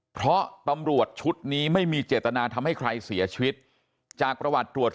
เพราะตำรวจชุดนี้ไม่มีเจตนาทำให้ใครเสียชีวิตจากประวัติตรวจ